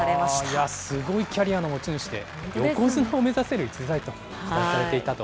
いや、すごいキャリアの持ち主で、横綱を目指せる逸材と期待されていたと。